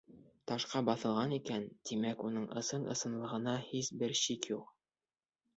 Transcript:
Ташҡа баҫылған икән, тимәк, уның ысын-ысынлығына һис бер шик юҡ.